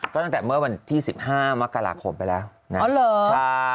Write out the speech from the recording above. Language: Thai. ก็ตั้งแต่เมื่อวันที่๑๕มกราคมไปแล้วนะ